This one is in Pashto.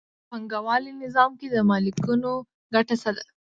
په پانګوالي نظام کې د مالکانو ګټه څه ده